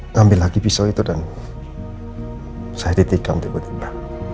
ngambil lagi pisau itu dan saya ditikam tiba tiba